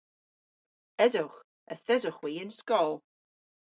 Esowgh. Yth esowgh hwi y'n skol.